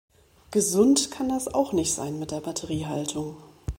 Gesund kann das auch nicht sein mit der Batteriehaltung.